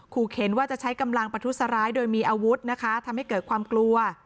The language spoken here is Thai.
เข็นว่าจะใช้กำลังประทุษร้ายโดยมีอาวุธนะคะทำให้เกิดความกลัว